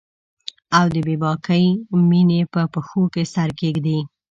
او د بې باکې میینې په پښو کې سر کښیږدي